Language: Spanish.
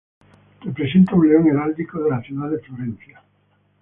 Representa un león heráldico de la ciudad de Florencia.